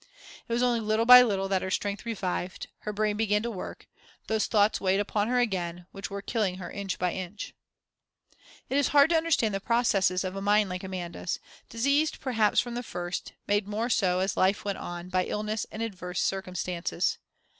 It was only little by little that her strength revived, her brain began to work, those thoughts weighed upon her again, which were killing her inch by inch. It is hard to understand the processes of a mind like Amanda's, diseased perhaps from the first, made more so, as life went on, by illness and adverse circumstances.